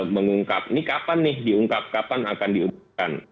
mengungkap ini kapan nih diungkap kapan akan diungkapkan